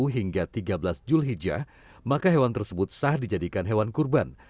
sepuluh hingga tiga belas jul hijah maka hewan tersebut sah dijadikan hewan kurban